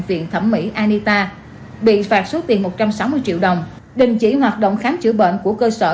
viện thẩm mỹ anita bị phạt số tiền một trăm sáu mươi triệu đồng đình chỉ hoạt động khám chữa bệnh của cơ sở